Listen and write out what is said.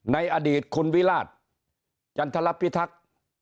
ในอดีตคุณวิราชจันทรพิทักษ์